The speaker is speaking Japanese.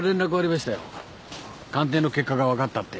鑑定の結果が分かったって。